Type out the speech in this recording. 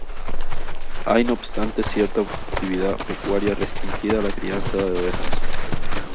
Hay no obstante cierta actividad pecuaria restringida a la crianza de ovejas.